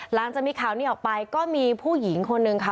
หลังจากมีข่าวนี้ออกไปก็มีผู้หญิงคนนึงค่ะ